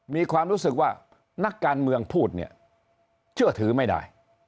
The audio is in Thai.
มีความรู้สึกว่านักการเมืองพูดเนี่ยเชื่อถือไม่ได้